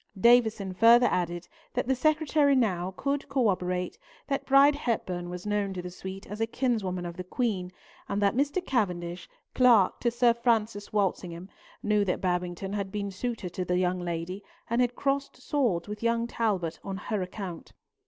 Davison further added that the Secretary Nau could corroborate that Bride Hepburn was known to the suite as a kinswoman of the Queen, and that Mr. Cavendish, clerk to Sir Francis Walsingham, knew that Babington had been suitor to the young lady, and had crossed swords with young Talbot on her account.